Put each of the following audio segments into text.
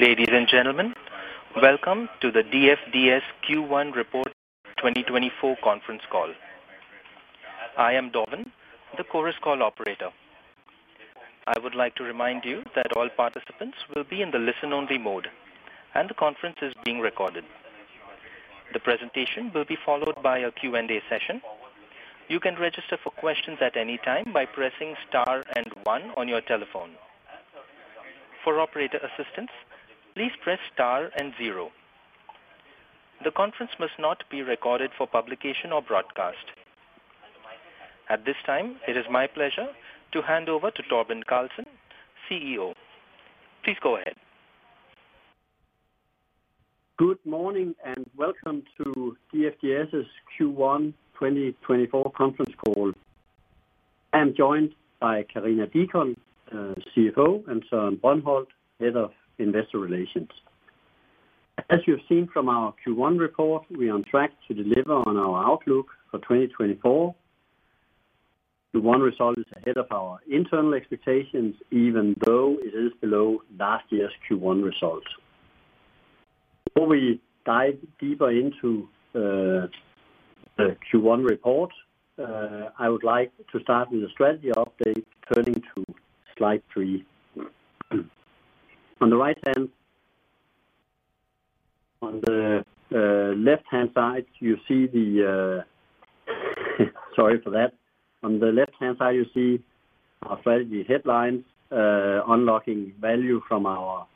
Ladies and gentlemen, welcome to the DFDS Q1 report 2024 conference call. I am Dobbin, the Chorus Call operator. I would like to remind you that all participants will be in the listen-only mode, and the conference is being recorded. The presentation will be followed by a Q&A session. You can register for questions at any time by pressing star and one on your telephone. For operator assistance, please press star and zero. The conference must not be recorded for publication or broadcast. At this time, it is my pleasure to hand over to Torben Carlsen, CEO. Please go ahead. Good morning, and welcome to DFDS's Q1 2024 conference call. I'm joined by Karina Deacon, CFO, and Søren Brøndholt Nielsen, Head of Investor Relations. As you've seen from our Q1 report, we are on track to deliver on our outlook for 2024. The one result is ahead of our internal expectations, even though it is below last year's Q1 results. Before we dive deeper into the Q1 report, I would like to start with a strategy update, turning to slide three. On the right hand... On the left-hand side, you see the, sorry for that. On the left-hand side, you see our strategy headlines, unlocking value from our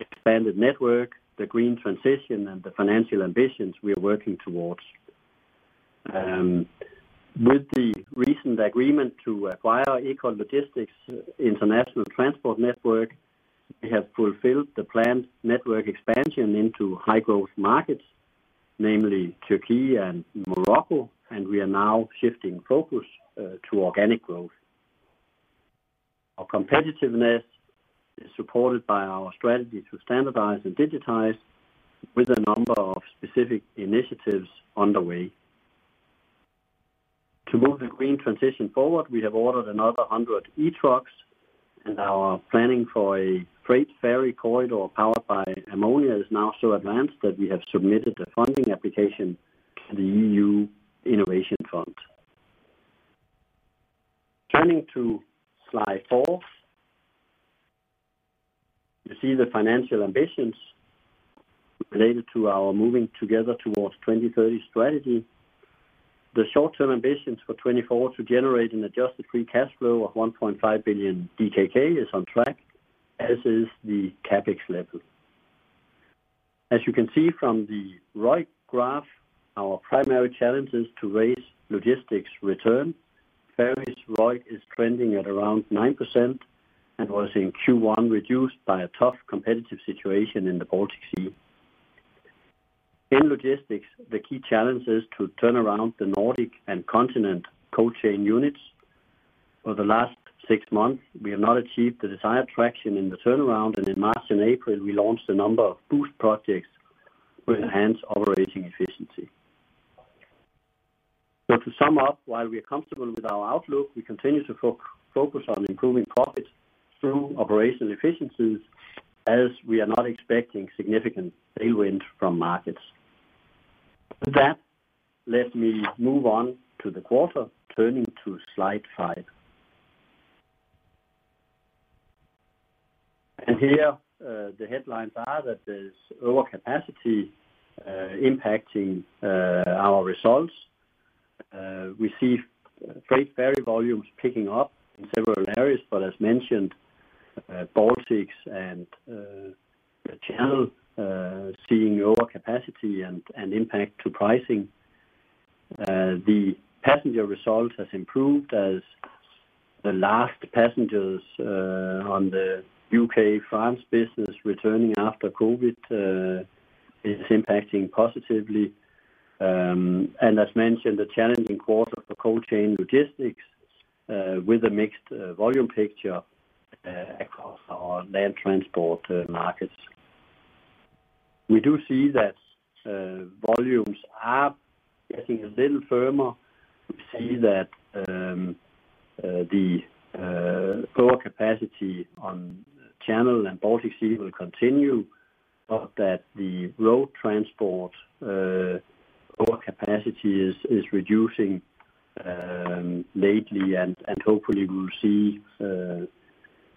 expanded network, the green transition and the financial ambitions we are working towards. With the recent agreement to acquire Ekol Logistics International Transport Network, we have fulfilled the planned network expansion into high-growth markets, namely Turkey and Morocco, and we are now shifting focus to organic growth. Our competitiveness is supported by our strategy to standardize and digitize with a number of specific initiatives underway. To move the green transition forward, we have ordered another 100 e-trucks, and our planning for a freight ferry corridor powered by ammonia is now so advanced that we have submitted the funding application to the EU Innovation Fund. Turning to slide four. You see the financial ambitions related to our Moving to Green towards 2030 strategy. The short-term ambitions for 2024 to generate an adjusted free cash flow of 1.5 billion DKK is on track, as is the CapEx level. As you can see from the right graph, our primary challenge is to raise logistics return. Ferries ROIC is trending at around 9% and was in Q1, reduced by a tough competitive situation in the Baltic Sea. In logistics, the key challenge is to turn around the Nordic and continent cold chain units. For the last six months, we have not achieved the desired traction in the turnaround, and in March and April, we launched a number of boost projects to enhance operating efficiency. So to sum up, while we are comfortable with our outlook, we continue to focus on improving profits through operational efficiencies, as we are not expecting significant tailwind from markets. With that, let me move on to the quarter, turning to slide five. Here, the headlines are that there's overcapacity impacting our results. We see freight ferry volumes picking up in several areas, but as mentioned, Baltics and Channel seeing overcapacity and impact to pricing. The passenger results has improved as the last passengers on the UK, France business returning after COVID is impacting positively. And as mentioned, a challenging quarter for cold chain logistics with a mixed volume picture across our land transport markets. We do see that volumes are getting a little firmer. We see that the lower capacity on Channel and Baltic Sea will continue, but that the road transport lower capacity is reducing lately and hopefully we'll see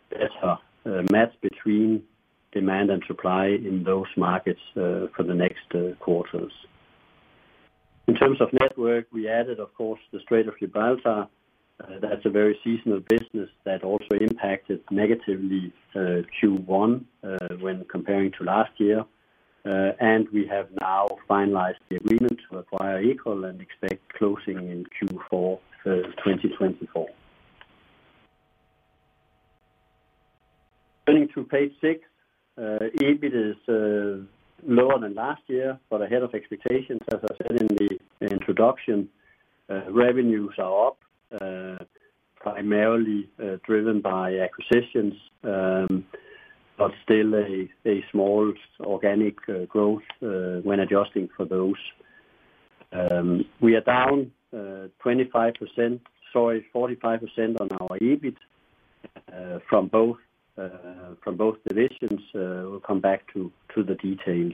better match between demand and supply in those markets for the next quarters. In terms of network, we added, of course, the Strait of Gibraltar. That's a very seasonal business that also impacted negatively Q1 when comparing to last year. We have now finalized the agreement to acquire Ekol and expect closing in Q4 2024. Turning to page six, EBIT is lower than last year, but ahead of expectations. As I said in the introduction, revenues are up, primarily driven by acquisitions, but still a small organic growth when adjusting for those. We are down 25%, sorry, 45% on our EBIT from both divisions. We'll come back to the details.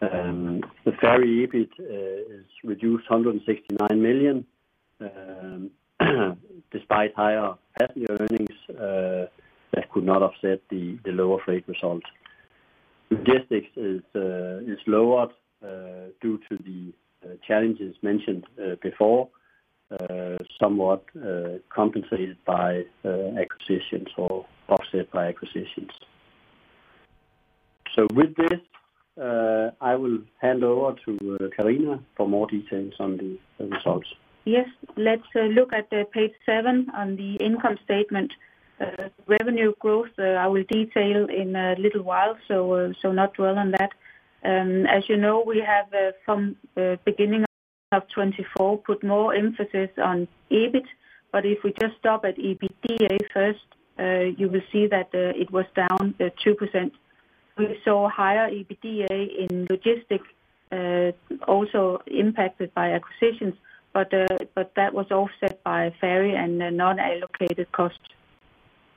The ferry EBIT is reduced 169 million despite higher passenger earnings that could not offset the lower freight results. Logistics is lower due to the challenges mentioned before, somewhat compensated by acquisitions or offset by acquisitions. So with this, I will hand over to Karina for more details on the results. Yes, let's look at the page seven on the income statement. Revenue growth, I will detail in a little while, so, so not dwell on that. As you know, we have, from the beginning of 2024, put more emphasis on EBIT, but if we just stop at EBITDA first, you will see that, it was down 2%. We saw higher EBITDA in logistics, also impacted by acquisitions, but, but that was offset by ferry and non-allocated costs.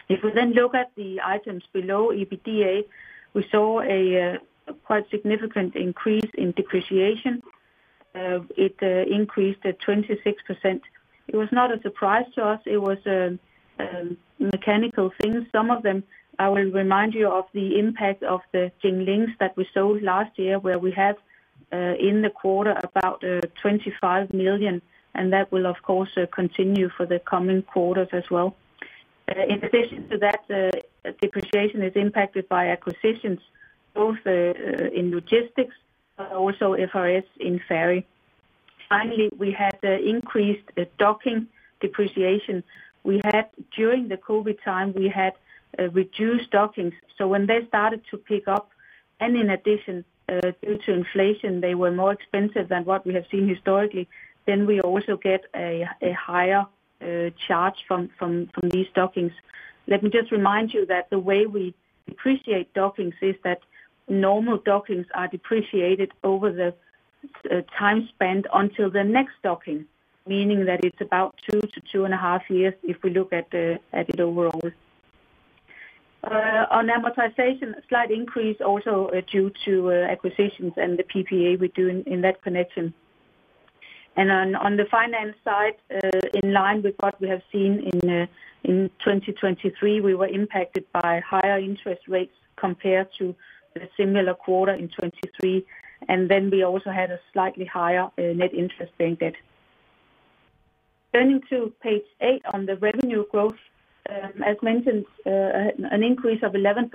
If we then look at the items below EBITDA, we saw a, quite significant increase in depreciation. It increased at 26%. It was not a surprise to us. It was a, mechanical thing. Some of them, I will remind you of the impact of the Jinglings that we sold last year, where we have, in the quarter, about 25 million, and that will of course continue for the coming quarters as well. In addition to that, depreciation is impacted by acquisitions, both in logistics, but also FRS in ferry. Finally, we had increased docking depreciation. We had, during the COVID time, we had reduced dockings. So when they started to pick up, and in addition, due to inflation, they were more expensive than what we have seen historically, then we also get a higher charge from these dockings. Let me just remind you that the way we depreciate dockings is that normal dockings are depreciated over the time spent until the next docking, meaning that it's about two to 2.5 years if we look at it overall. On amortization, a slight increase also due to acquisitions and the PPA we do in that connection. And on the finance side, in line with what we have seen in 2023, we were impacted by higher interest rates compared to the similar quarter in 2023, and then we also had a slightly higher net interest income. Turning to page eight on the revenue growth. As mentioned, an increase of 11%.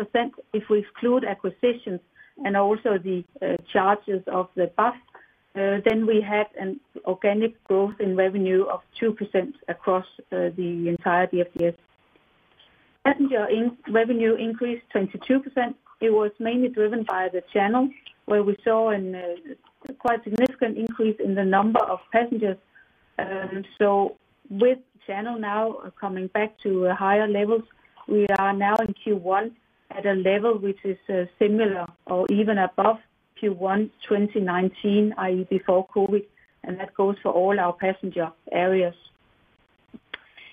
If we exclude acquisitions and also the charges of the BAF, then we had an organic growth in revenue of 2% across the entire DFDS. Passenger revenue increased 22%. It was mainly driven by the channel, where we saw a quite significant increase in the number of passengers. So with channel now coming back to higher levels, we are now in Q1 at a level which is similar or even above Q1 2019, i.e., before COVID, and that goes for all our passenger areas.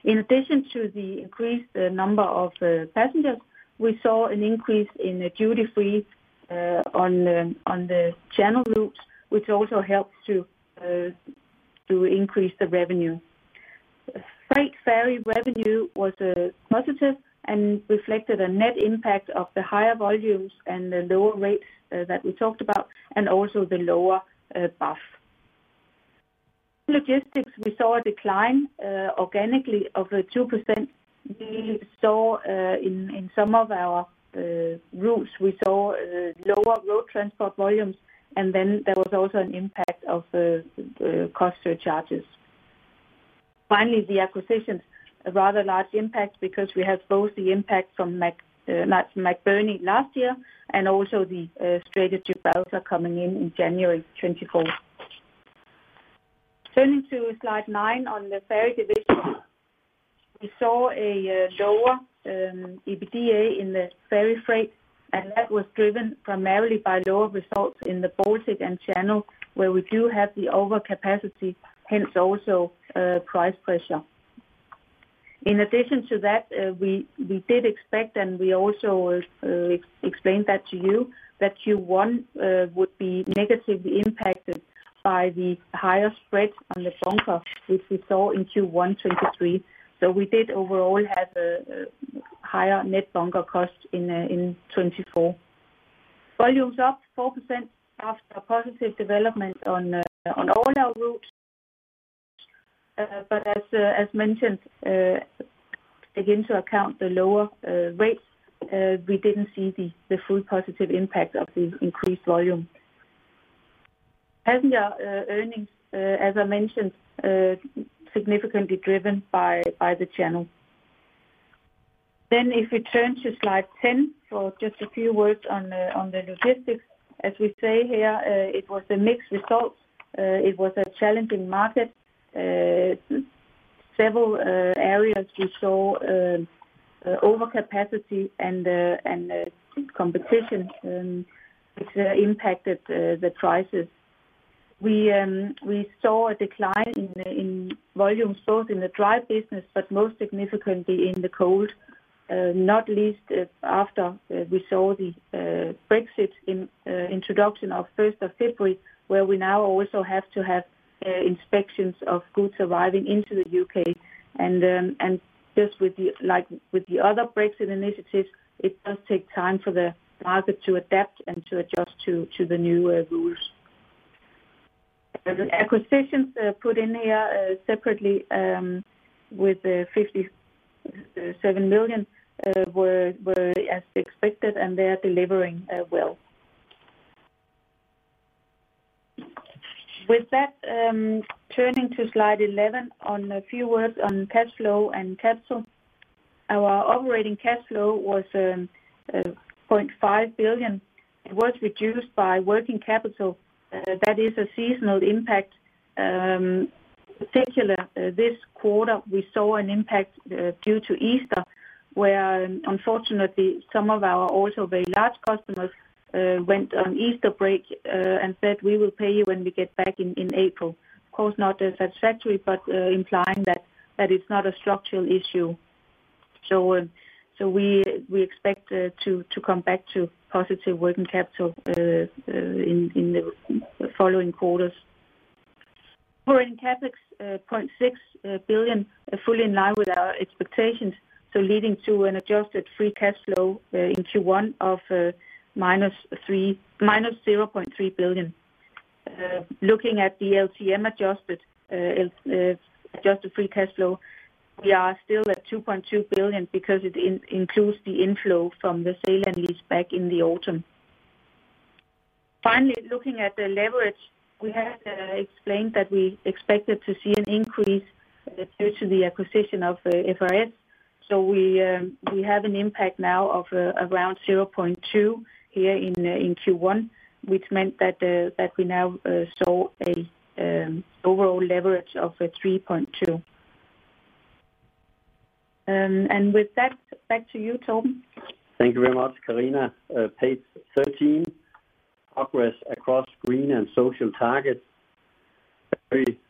In addition to the increased number of passengers, we saw an increase in the duty-free on the channel routes, which also helped to increase the revenue. Freight ferry revenue was positive and reflected a net impact of the higher volumes and the lower rates that we talked about, and also the lower BAF. Logistics, we saw a decline organically of 2%. We saw in some of our routes lower road transport volumes, and then there was also an impact of the cost charges. Finally, the acquisitions, a rather large impact because we have both the impact from McBurney last year and also the Strait of Gibraltar coming in in January 2024. Turning to slide nine on the ferry division. We saw a lower EBITDA in the ferry freight, and that was driven primarily by lower results in the Baltic and Channel, where we do have the overcapacity, hence also price pressure. In addition to that, we did expect, and we also explained that to you, that Q1 would be negatively impacted by the higher spreads on the bunker, which we saw in Q1 2023. So we did overall have a higher net bunker cost in 2024. Volumes up 4% after a positive development on all our routes. But as mentioned, again, to account the lower rates, we didn't see the full positive impact of the increased volume. Passenger earnings, as I mentioned, significantly driven by the channel. Then if we turn to slide 10 for just a few words on the logistics. As we say here, it was a mixed result. It was a challenging market. Several areas we saw overcapacity and competition, which impacted the prices. We saw a decline in volume both in the dry business, but most significantly in the cold, not least after we saw the Brexit introduction of first of February, where we now also have to have inspections of goods arriving into the UK. And just with the, like, with the other Brexit initiatives, it does take time for the market to adapt and to adjust to the new rules. The acquisitions put in here separately with the 57 million were as expected, and they are delivering well. With that, turning to slide 11 on a few words on cash flow and capital. Our operating cash flow was 0.5 billion. It was reduced by working capital. That is a seasonal impact. Particular this quarter, we saw an impact due to Easter, where unfortunately, some of our also very large customers went on Easter break and said, "We will pay you when we get back in April." Of course, not as satisfactory, but implying that it's not a structural issue. So we expect to come back to positive working capital in the following quarters. We're in CapEx 0.6 billion, fully in line with our expectations, so leading to an adjusted free cash flow in Q1 of minus 0.3 billion. Looking at the LTM adjusted free cash flow, we are still at 2.2 billion because it includes the inflow from the sale and lease back in the autumn. Finally, looking at the leverage, we have explained that we expected to see an increase due to the acquisition of FRS. So we have an impact now of around 0.2 here in Q1, which meant that we now saw an overall leverage of 3.2. And with that, back to you, Torben. Thank you very much, Karina. Page 13, progress across green and social targets.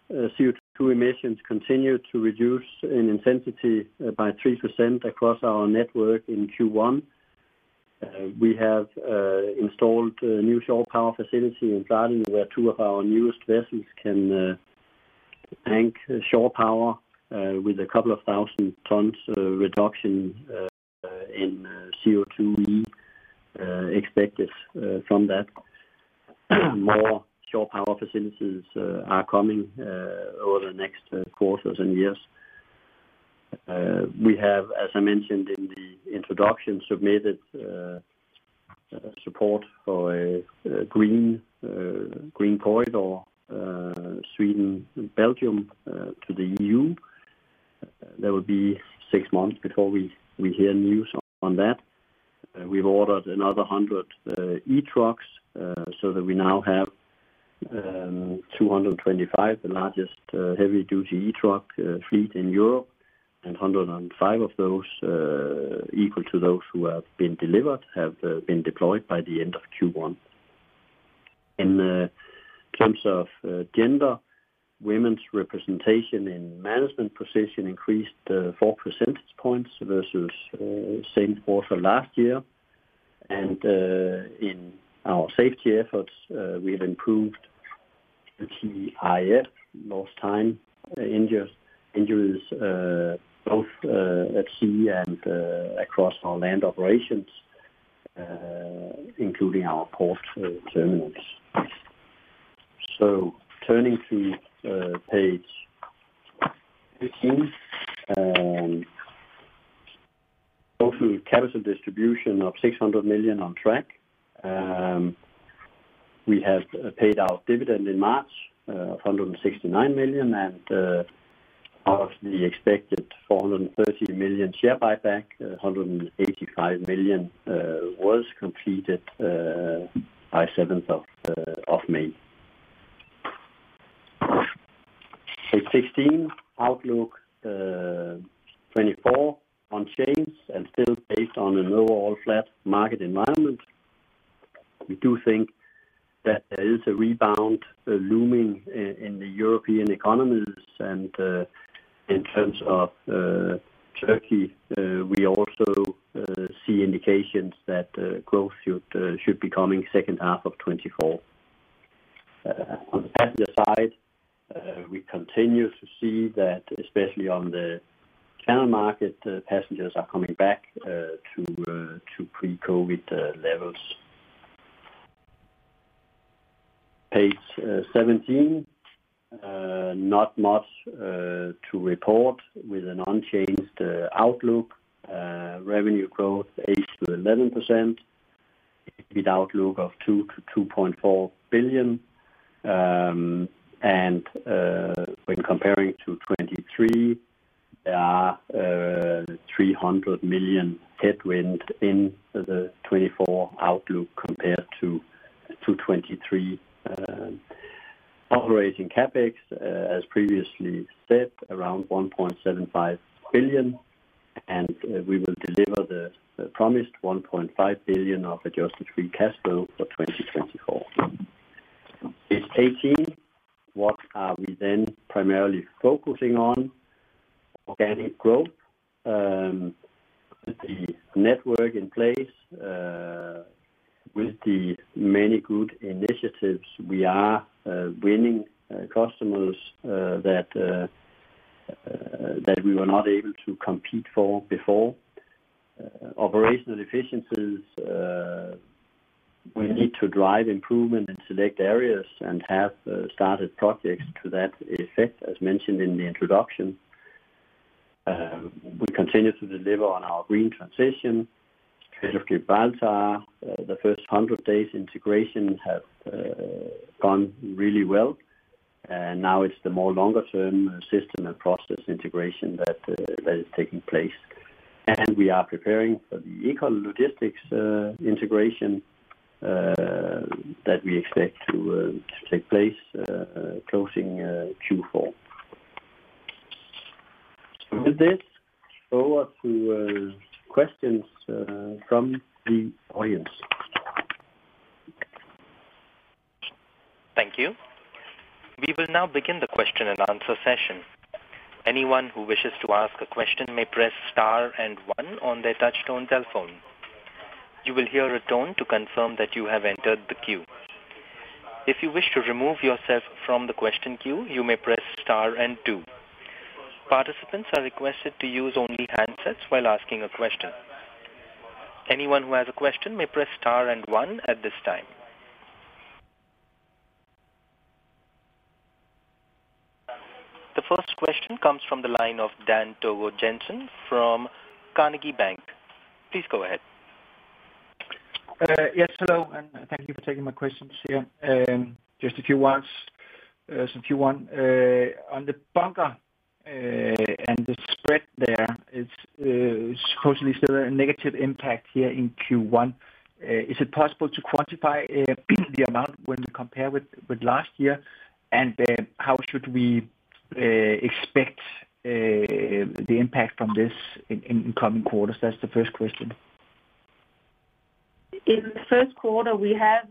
CO2 emissions continue to reduce in intensity by 3% across our network in Q1. We have installed a new shore power facility in Ghent, where two of our newest vessels can bank shore power with a couple of 1,000 tons reduction in CO2 expected from that. More shore power facilities are coming over the next quarters and years. We have, as I mentioned in the introduction, submitted support for a green corridor Sweden-Belgium to the EU. There will be six months before we hear news on that. We've ordered another 100 e-trucks, so that we now have 225, the largest heavy duty e-truck fleet in Europe, and 105 of those equal to those who have been delivered have been deployed by the end of Q1. In terms of gender, women's representation in management position increased four percentage points versus same quarter last year. In our safety efforts, we have improved the LTIR, lost time injuries both at sea and across our land operations, including our port terminals. Turning to page 15, total capital distribution of 600 million on track. We have paid out dividend in March of 169 million, and out of the expected 430 million share buyback, 185 million was completed by the 7th of May. Page 16, outlook 2024 unchanged and still based on an overall flat market environment. We do think that there is a rebound looming in the European economies, and in terms of Turkey, we also see indications that growth should be coming second half of 2024. On the passenger side, we continue to see that, especially on the Channel market, passengers are coming back to pre-COVID levels. Page 17, not much to report with an unchanged outlook, revenue growth 8%-11%, EBIT outlook of DKK 2-2.4 billion. When comparing to 2023, there are 300 million headwind in the 2024 outlook compared to 2023. Operating CapEx, as previously said, around 1.75 billion, and we will deliver the promised 1.5 billion of adjusted free cash flow for 2024. In taking, what are we then primarily focusing on? Organic growth, with the network in place, with the many good initiatives we are winning customers that we were not able to compete for before. Operational efficiencies, we need to drive improvement in select areas and have started projects to that effect, as mentioned in the introduction. We continue to deliver on our green transition. Strait of Gibraltar, the first 100 days integration have gone really well, and now it's the more longer term system and process integration that is taking place. And we are preparing for the Ekol Logistics integration that we expect to take place closing Q4. With this, over to questions from the audience. Thank you. We will now begin the question and answer session. Anyone who wishes to ask a question may press star and one on their touchtone telephone. You will hear a tone to confirm that you have entered the queue. If you wish to remove yourself from the question queue, you may press star and two. Participants are requested to use only handsets while asking a question. Anyone who has a question may press star and one at this time. The first question comes from the line of Dan Togo-Jensen from Carnegie Bank. Please go ahead. Yes, hello, and thank you for taking my questions here. Just a few ones. So if you want, on the bunker, and the spread there, it's supposedly still a negative impact here in Q1. Is it possible to quantify the amount when you compare with last year? And how should we expect the impact from this in coming quarters? That's the first question. In the first quarter, we have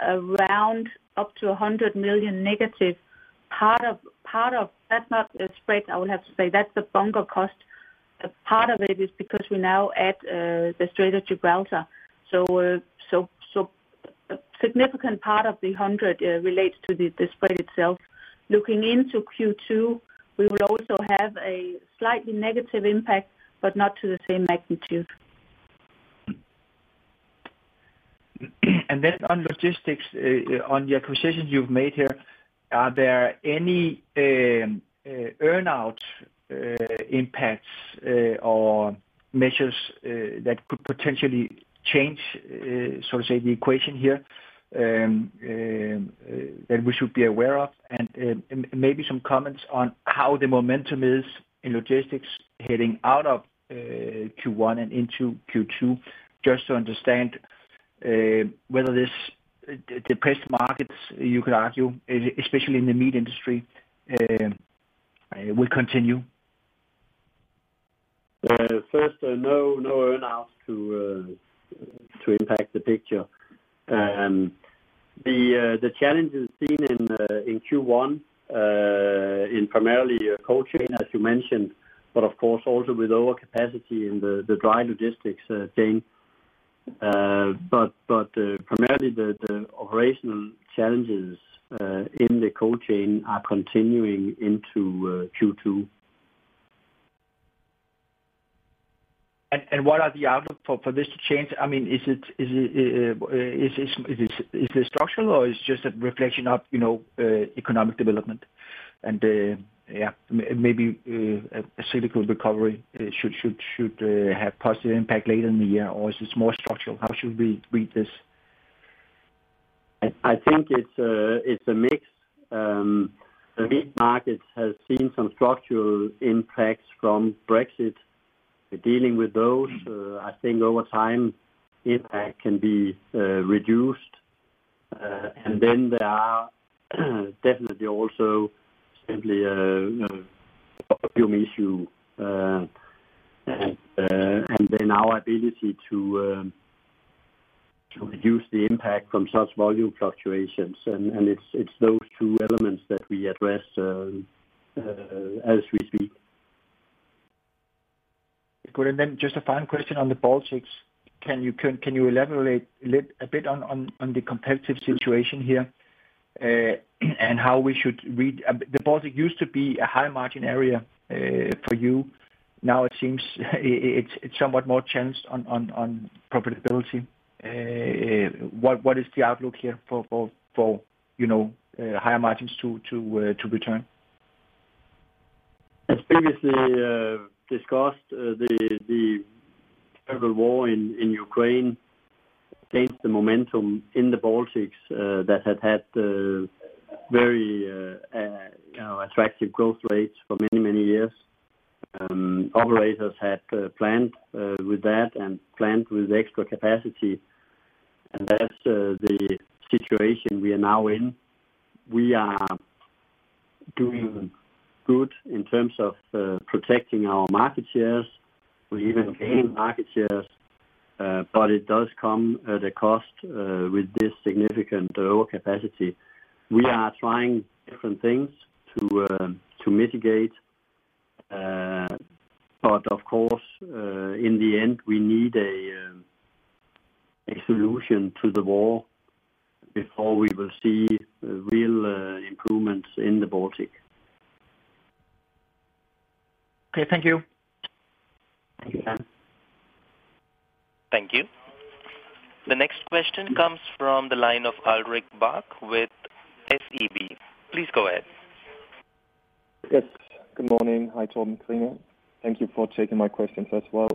around up to 100 million negative. Part of that's not the spread, I would have to say, that's the bunker cost. A part of it is because we're now at the Strait of Gibraltar. So a significant part of the 100 relates to the spread itself. Looking into Q2, we will also have a slightly negative impact, but not to the same magnitude. And then on logistics, on the acquisitions you've made here, are there any earn-out impacts or measures that could potentially change, so to say, the equation here that we should be aware of? And maybe some comments on how the momentum is in logistics heading out of Q1 and into Q2, just to understand whether this depressed markets, you could argue, especially in the meat industry, will continue. First, no earn outs to impact the picture. The challenges seen in Q1, primarily in cold chain, as you mentioned, but of course also with lower capacity in the dry logistics chain. But primarily the operational challenges in the cold chain are continuing into Q2. What are the outlook for this to change? I mean, is it structural or is it just a reflection of, you know, economic development? Yeah, maybe a cyclical recovery should have positive impact later in the year, or is this more structural? How should we read this? I think it's a mix. The meat markets has seen some structural impacts from Brexit. Dealing with those, I think over time, impact can be reduced. And then there are definitely also simply volume issue, and then our ability to reduce the impact from such volume fluctuations, and it's those two elements that we address as we speak. Good. And then just a final question on the Baltics. Can you elaborate a bit on the competitive situation here, and how we should read the Baltic used to be a high margin area for you. Now it seems it's somewhat more challenged on profitability. What is the outlook here for, you know, higher margins to return? As previously discussed, the terrible war in Ukraine changed the momentum in the Baltics that had very attractive growth rates for many, many years. Operators had planned with that and planned with extra capacity, and that's the situation we are now in. We are doing good in terms of protecting our market shares. We even gain market shares, but it does come at a cost with this significant lower capacity. We are trying different things to mitigate, but of course, in the end, we need a solution to the war before we will see real improvements in the Baltic. Okay, thank you. Thank you, Dan. Thank you. The next question comes from the line of Ulrik Bak with SEB. Please go ahead. Yes, good morning. Hi, Torben Carlsen. Thank you for taking my questions as well.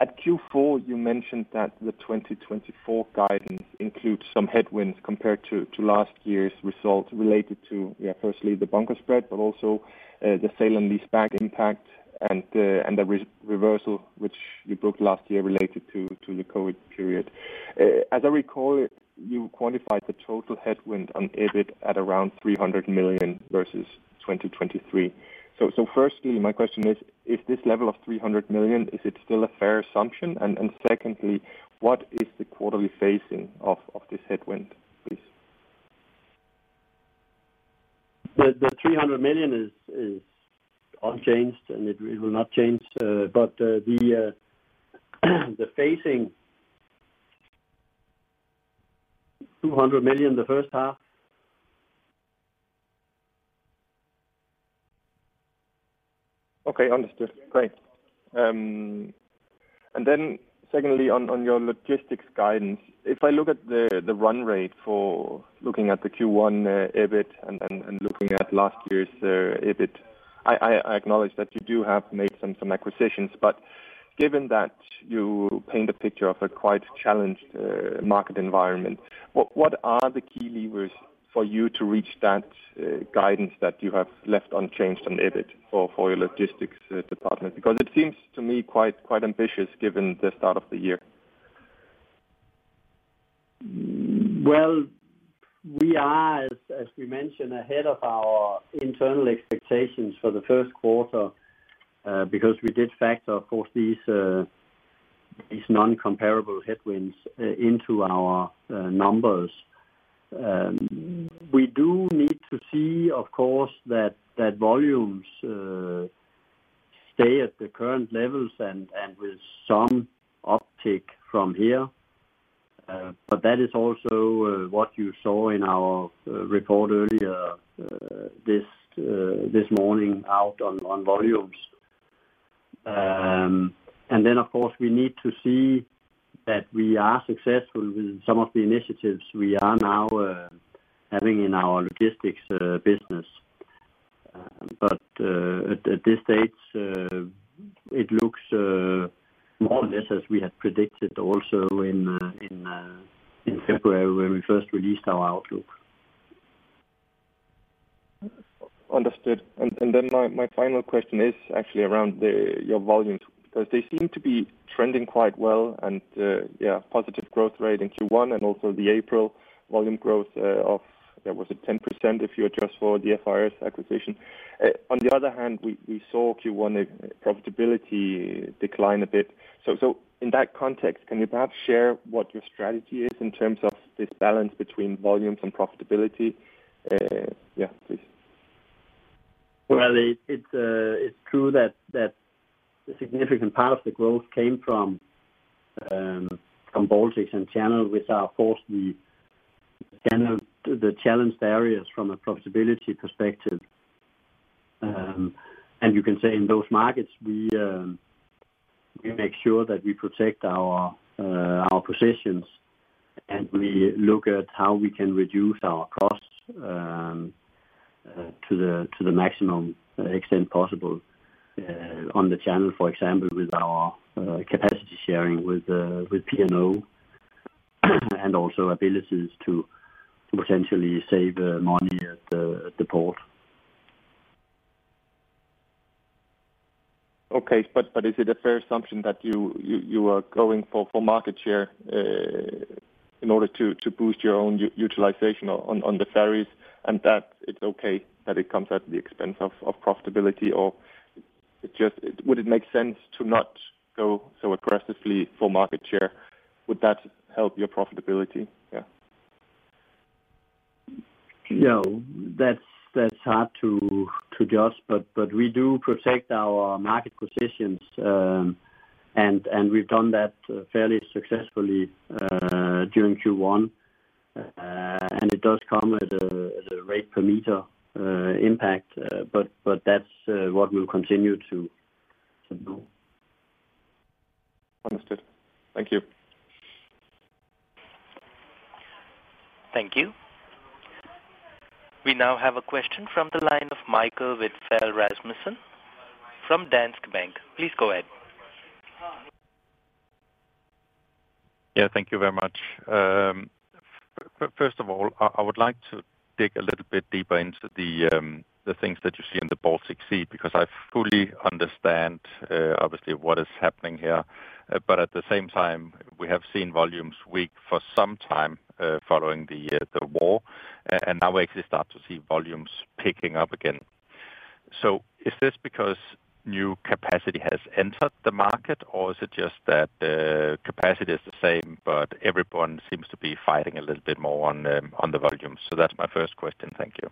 At Q4, you mentioned that the 2024 guidance includes some headwinds compared to last year's results related to, firstly, the bunker spread, but also the sale and lease back impact and the reversal which you booked last year related to the COVID period. As I recall, you quantified the total headwind on EBIT at around 300 million versus 2023. So firstly, my question is, if this level of 300 million is it still a fair assumption? And secondly, what is the quarterly phasing of this headwind, please? The 300 million is unchanged, and it will not change, but the phasing, DKK 200 million the first half. Okay, understood. Great. And then secondly, on your logistics guidance, if I look at the run rate for looking at the Q1 EBIT and looking at last year's EBIT, I acknowledge that you do have made some acquisitions, but given that you paint a picture of a quite challenged market environment, what are the key levers for you to reach that guidance that you have left unchanged on the EBIT for your logistics department? Because it seems to me quite ambitious given the start of the year. Well, we are, as we mentioned, ahead of our internal expectations for the first quarter, because we did factor, of course, these non-comparable headwinds into our numbers. We do need to see, of course, that volumes stay at the current levels and with some uptick from here. But that is also what you saw in our report earlier this morning out on volumes. And then, of course, we need to see that we are successful with some of the initiatives we are now having in our logistics business. But at this stage, it looks more or less as we had predicted also in February, when we first released our outlook. Understood. And then my final question is actually around your volumes, because they seem to be trending quite well and positive growth rate in Q1 and also the April volume growth of was it 10% if you adjust for the FRS acquisition? On the other hand, we saw Q1 profitability decline a bit. So in that context, can you perhaps share what your strategy is in terms of this balance between volumes and profitability? Please. Well, it's true that a significant part of the growth came from Baltics and Channel, which are, of course, the Channel, the challenged areas from a profitability perspective. And you can say in those markets, we make sure that we protect our positions, and we look at how we can reduce our costs to the maximum extent possible, on the Channel, for example, with our capacity sharing with P&O, and also abilities to potentially save money at the port. Okay, but is it a fair assumption that you are going for market share in order to boost your own utilization on the ferries, and that it's okay that it comes at the expense of profitability? Or it just— Would it make sense to not go so aggressively for market share? Would that help your profitability? Yeah. You know, that's hard to judge, but we do protect our market positions, and we've done that fairly successfully during Q1. And it does come at a rate per meter impact, but that's what we'll continue to do. Understood. Thank you.... Thank you. We now have a question from the line of Michael Rasmussen from Danske Bank. Please go ahead. Yeah, thank you very much. First of all, I would like to dig a little bit deeper into the things that you see in the Baltic Sea, because I fully understand, obviously, what is happening here. But at the same time, we have seen volumes weak for some time, following the war, and now we actually start to see volumes picking up again. So is this because new capacity has entered the market, or is it just that the capacity is the same, but everyone seems to be fighting a little bit more on the volumes? So that's my first question. Thank you.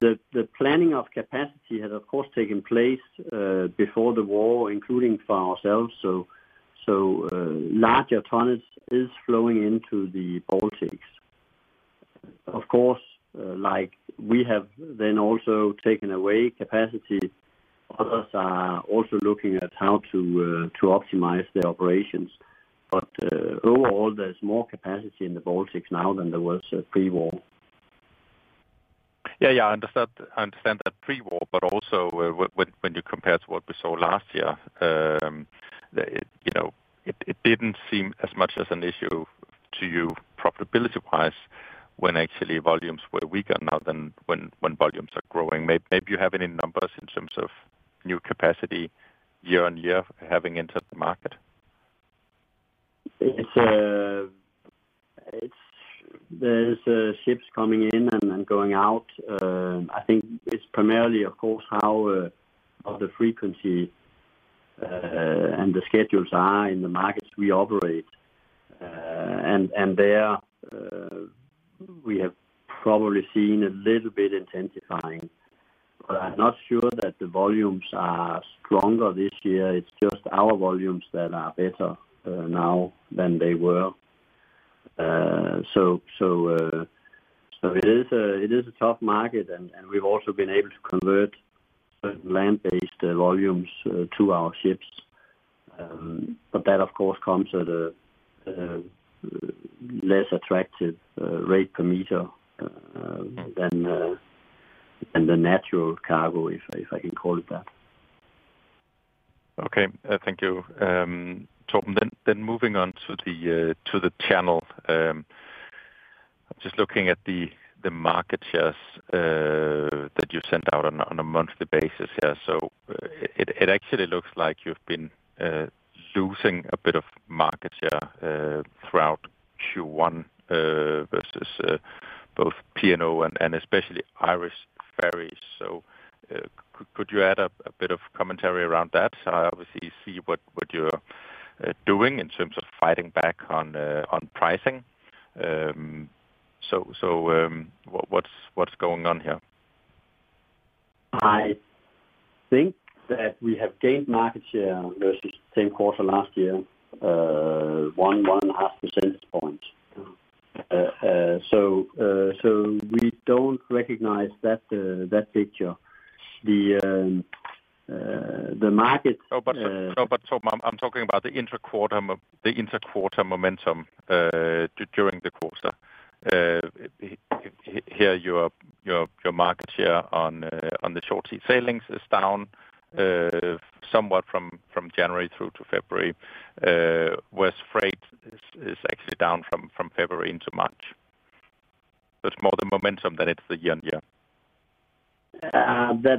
The planning of capacity has, of course, taken place before the war, including for ourselves. So, larger tonnage is flowing into the Baltics. Of course, like we have then also taken away capacity. Others are also looking at how to optimize their operations. But overall, there's more capacity in the Baltics now than there was pre-war. Yeah, yeah, I understand, I understand that pre-war, but also when, when you compare to what we saw last year, the, you know, it, it didn't seem as much as an issue to you profitability-wise, when actually volumes were weaker now than when, when volumes are growing. Maybe you have any numbers in terms of new capacity year on year, having entered the market? It's there are ships coming in and going out. I think it's primarily, of course, how the frequency and the schedules are in the markets we operate. And there we have probably seen a little bit intensifying, but I'm not sure that the volumes are stronger this year. It's just our volumes that are better now than they were. So it is a tough market, and we've also been able to convert land-based volumes to our ships. But that, of course, comes at a less attractive rate per meter than the natural cargo, if I can call it that. Okay. Thank you. Torben, then moving on to the channel. Just looking at the market shares that you sent out on a monthly basis here. So it actually looks like you've been losing a bit of market share throughout Q1 versus both P&O and especially Irish Ferries. So could you add a bit of commentary around that? I obviously see what you're doing in terms of fighting back on pricing. So what's going on here? I think that we have gained market share versus same quarter last year, 1.5 percentage points. So we don't recognize that picture. The market- No, but, no, but Torben, I'm talking about the inter-quarter momentum during the quarter. Here, your market share on the short sea sailings is down somewhat from January through to February, whereas freight is actually down from February into March. So it's more the momentum than it's the year-on-year.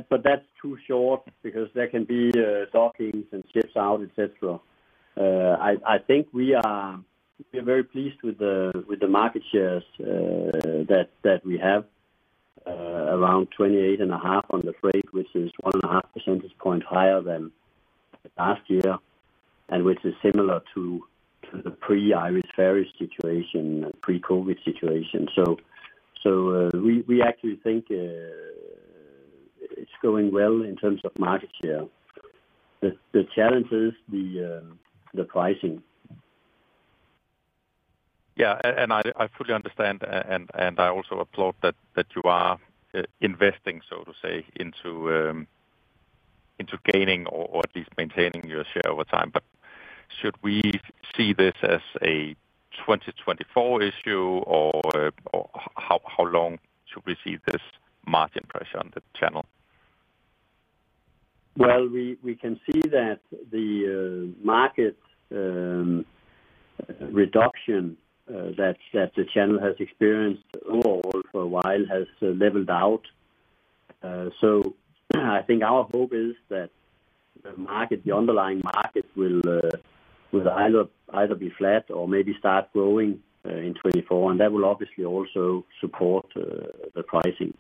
But that's too short because there can be dockings and ships out, etc. I think we're very pleased with the market shares that we have around 28.5 on the freight, which is 1.5 percentage point higher than last year, and which is similar to the pre-Irish Ferries situation, pre-COVID situation. So we actually think it's going well in terms of market share. The challenge is the pricing. Yeah, and I fully understand, and I also applaud that you are investing, so to say, into gaining or at least maintaining your share over time. But should we see this as a 2024 issue, or how long should we see this margin pressure on the channel? Well, we can see that the market reduction that the channel has experienced overall for a while has leveled out. So, I think our hope is that the market, the underlying market will either be flat or maybe start growing in 2024, and that will obviously also support the pricing.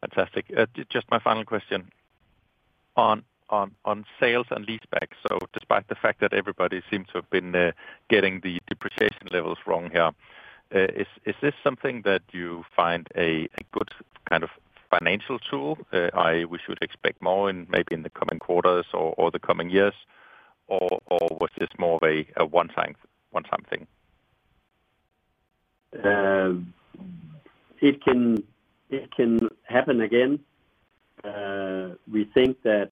Fantastic. Just my final question. On sales and leasebacks, so despite the fact that everybody seems to have been getting the depreciation levels wrong here, is this something that you find a good kind of financial tool? We should expect more in maybe in the coming quarters or the coming years, or was this more of a one-time thing?... it can happen again. We think that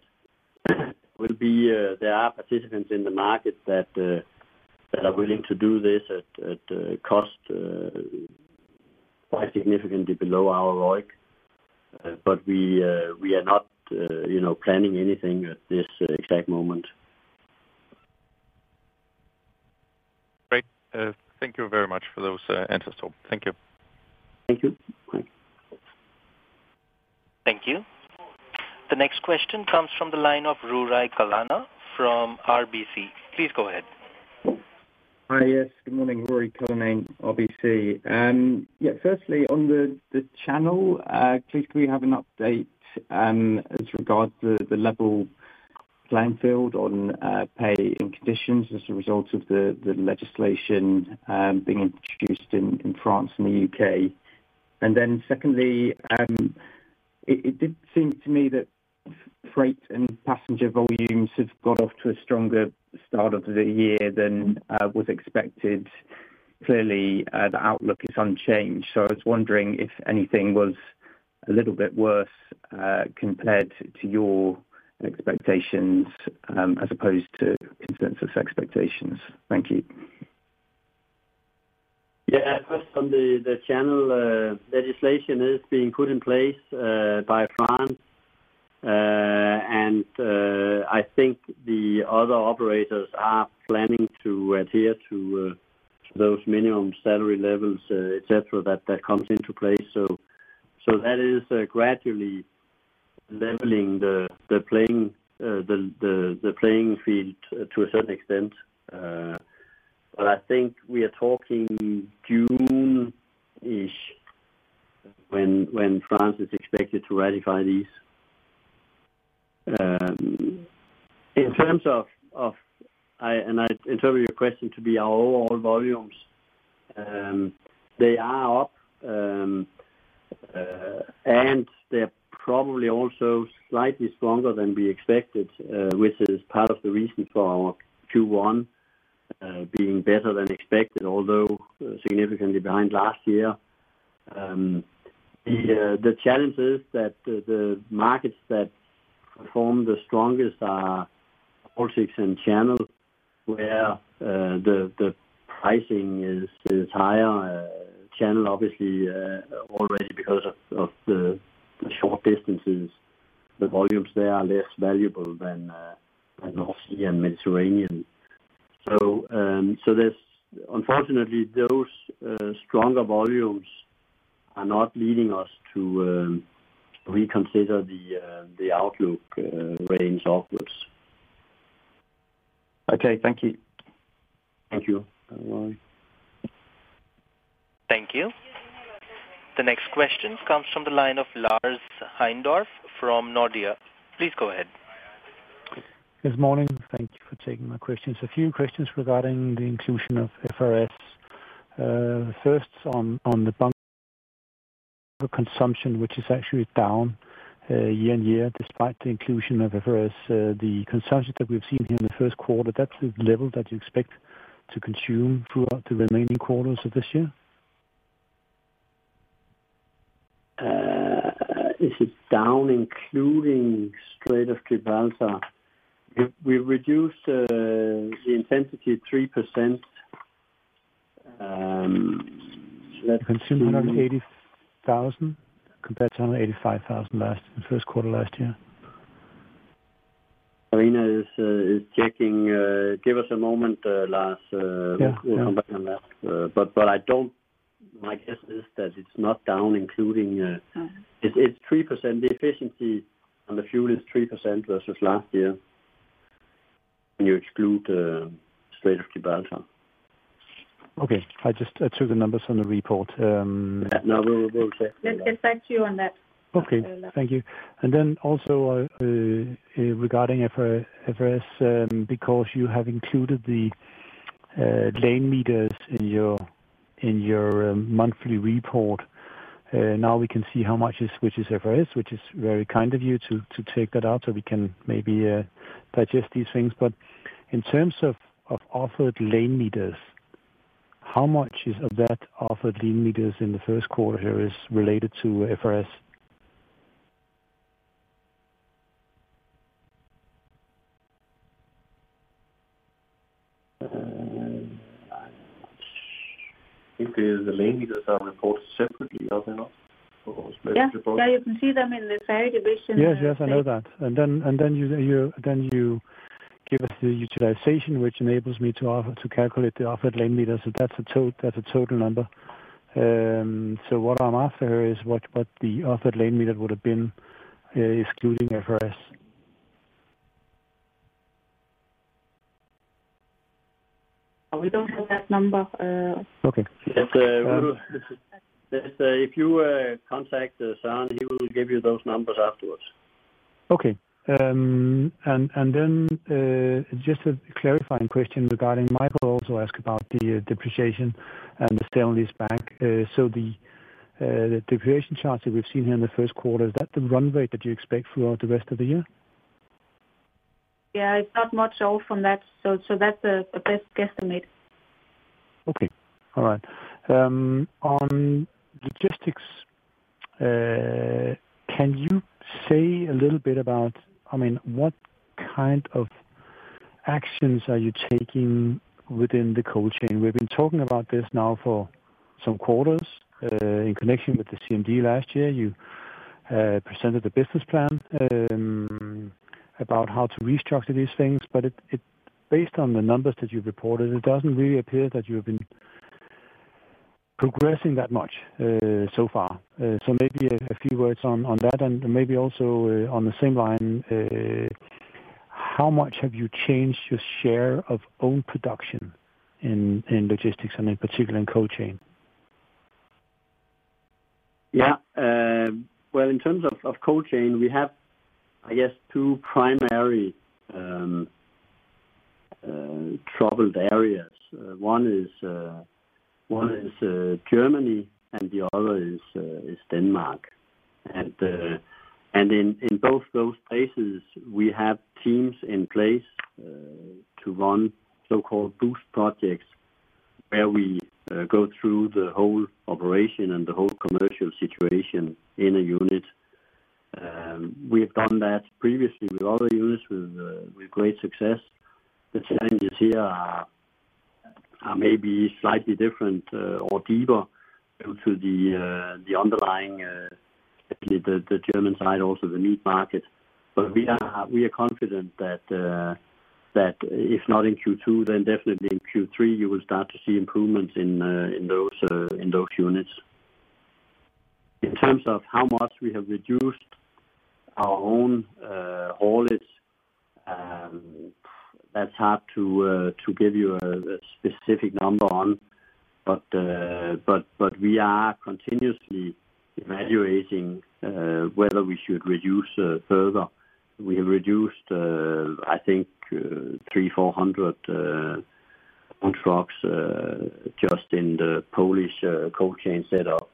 will be there are participants in the market that are willing to do this at cost quite significantly below our ROIC. But we are not, you know, planning anything at this exact moment. Great. Thank you very much for those answers, though. Thank you. Thank you. Bye. Thank you. The next question comes from the line of Ruairi Cullinane from RBC. Please go ahead. Hi, yes. Good morning, Ruairi Cullinane, RBC. Yeah, firstly, on the channel, please, can we have an update as regards to the level playing field on pay and conditions as a result of the legislation being introduced in France and the UK? And then secondly, it did seem to me that freight and passenger volumes have got off to a stronger start of the year than was expected. Clearly, the outlook is unchanged. So I was wondering if anything was a little bit worse compared to your expectations as opposed to consensus expectations. Thank you. Yeah, first on the channel, legislation is being put in place by France. And I think the other operators are planning to adhere to those minimum salary levels, etc., that comes into play. So that is gradually leveling the playing field to a certain extent. But I think we are talking June-ish, when France is expected to ratify these. In terms of, and I interpret your question to be our overall volumes. They are up, and they're probably also slightly stronger than we expected, which is part of the reason for our Q1 being better than expected, although significantly behind last year. The challenge is that the markets that perform the strongest are Baltic and Channel, where the pricing is higher. Channel, obviously, already because of the short distances, the volumes there are less valuable than North Sea and Mediterranean. So, unfortunately, those stronger volumes are not leading us to reconsider the outlook range upwards. Okay, thank you. Thank you. Bye-bye. Thank you. The next question comes from the line of Lars Heindorff from Nordea. Please go ahead. Good morning. Thank you for taking my questions. A few questions regarding the inclusion of FRS. First, on the bunker consumption, which is actually down year-over-year, despite the inclusion of FRS. The consumption that we've seen here in the first quarter, that's the level that you expect to consume throughout the remaining quarters of this year? Is it down, including Strait of Gibraltar? We reduced the intensity 3%, let's see. Consumption 180,000, compared to 185,000 last, the first quarter last year. Marina is checking. Give us a moment, Lars. Yeah. We'll come back on that. But I don't... My guess is that it's not down, including, it's 3%. The efficiency on the fuel is 3% versus last year, when you exclude Strait of Gibraltar. Okay. I just, I took the numbers on the report, No, we will double check. We'll get back to you on that. Okay, thank you. And then also, regarding FRS, because you have included the lane meters in your monthly report. Now we can see how much is which is FRS, which is very kind of you to take that out, so we can maybe digest these things. But in terms of offered lane meters, how much of that offered lane meters in the first quarter is related to FRS? I think the lane meters are reported separately, are they not? For those- Yeah. Yeah, you can see them in the ferry division. Yes, yes, I know that. And then you give us the utilization, which enables me to calculate the offered lane meters, so that's a total number. So what I'm after here is what the offered lane meter would have been, excluding FRS. We don't have that number, Okay. Ruairi, if you contact Søren, he will give you those numbers afterwards. Okay. And then, just a clarifying question regarding Michael, also asked about the depreciation and the sale of this back. So, the depreciation charts that we've seen here in the first quarter, is that the run rate that you expect throughout the rest of the year? ...Yeah, it's not much out from that, so that's a best guesstimate. Okay. All right. On logistics, can you say a little bit about, I mean, what kind of actions are you taking within the cold chain? We've been talking about this now for some quarters. In connection with the CMD last year, you presented the business plan about how to restructure these things, but it based on the numbers that you've reported, it doesn't really appear that you've been progressing that much so far. So maybe a few words on that, and maybe also on the same line, how much have you changed your share of own production in logistics and in particular in cold chain? Yeah. Well, in terms of, of cold chain, we have, I guess, two primary, troubled areas. One is, one is, Germany, and the other is, is Denmark. And, and in, in both those cases, we have teams in place, to run so-called boost projects, where we, go through the whole operation and the whole commercial situation in a unit. We have done that previously with other units with, with great success. The challenges here are, are maybe slightly different, or deeper due to the, the underlying, the, the German side, also the meat market. But we are, we are confident that, that if not in Q2, then definitely in Q3, you will start to see improvements in, in those, in those units. In terms of how much we have reduced our own haulage, that's hard to give you a specific number on. But we are continuously evaluating whether we should reduce further. We have reduced, I think, 300-400 on trucks just in the Polish cold chain setup.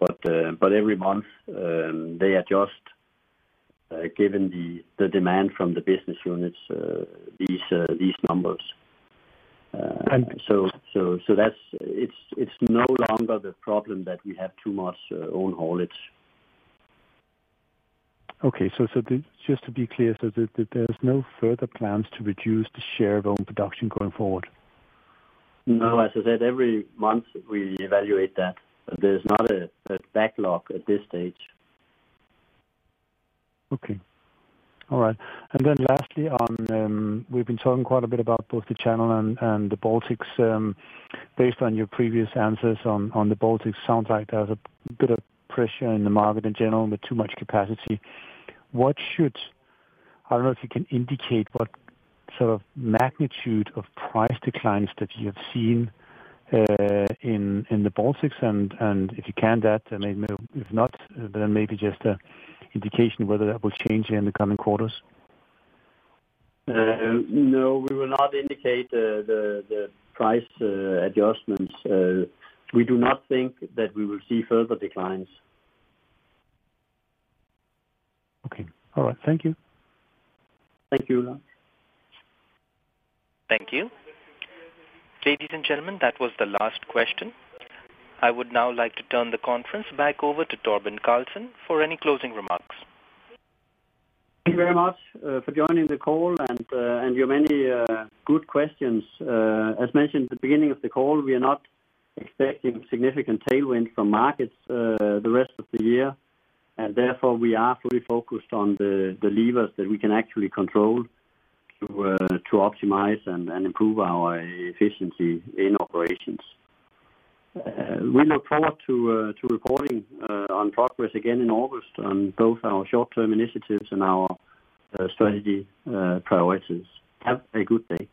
But every month they adjust given the demand from the business units these numbers. So that's. It's no longer the problem that we have too much own haulage. Okay, so, so just to be clear, so there, there's no further plans to reduce the share of own production going forward? No, as I said, every month we evaluate that, but there's not a backlog at this stage. Okay. All right. And then lastly, on, we've been talking quite a bit about both the channel and the Baltics. Based on your previous answers on the Baltics, sounds like there's a bit of pressure in the market in general, with too much capacity. What should... I don't know if you can indicate what sort of magnitude of price declines that you have seen in the Baltics, and if you can, that, and maybe if not, then maybe just an indication of whether that will change in the coming quarters. No, we will not indicate the price adjustments. We do not think that we will see further declines. Okay. All right. Thank you. Thank you, Lars. Thank you. Ladies and gentlemen, that was the last question. I would now like to turn the conference back over to Torben Carlsen for any closing remarks. Thank you very much for joining the call and your many good questions. As mentioned at the beginning of the call, we are not expecting significant tailwind from markets, the rest of the year, and therefore, we are fully focused on the levers that we can actually control to optimize and improve our efficiency in operations. We look forward to reporting on progress again in August on both our short-term initiatives and our strategy priorities. Have a good day.